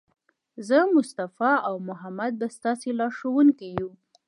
زه، مصطفی او محمد به ستاسې لارښوونکي یو.